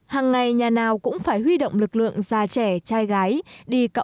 hằng ngày nhà nào cũng phải huy động lực lượng già trẻ trai gái